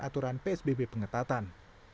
aturan psbb pengetatan